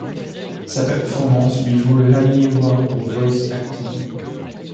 Sa performance lui vaut le Annie Award pour Voice Acting.